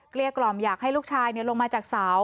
เรียกกล่อมอยากให้ลูกชายลงมาจากเสา